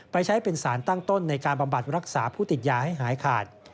ไปใช้เป็นสารตั้งต้นในการบำบัดรักษาผู้ติดยาให้หายขาด